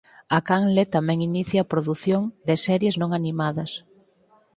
A canle tamén inicia a produción de series non animadas.